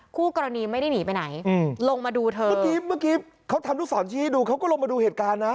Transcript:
คู่กรณีไม่ได้หนีไปไหนอืมลงมาดูเธอเมื่อกี้เขาทำลูกศรชี้ให้ดูเขาก็ลงมาดูเหตุการณ์นะ